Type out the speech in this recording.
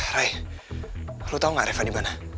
ray lo tau gak reva dimana